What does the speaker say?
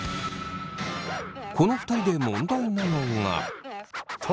この２人で問題なのが。